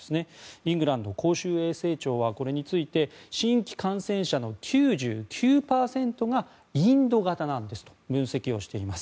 イングランド公衆衛生庁はこれについて新規感染者の９９％がインド型なんですと分析をしています。